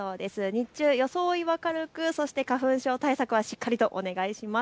日中、装いは軽く、そして花粉症対策はしっかりとお願いします。